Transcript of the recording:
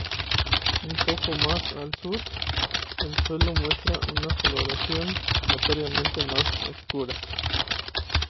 Un poco más al sur, el suelo muestra una coloración notoriamente más oscura.